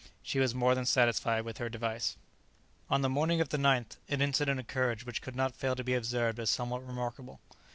She was more than satisfied with her device. On the morning of the 9th an incident occurred which could not fail to be observed as somewhat remarkable.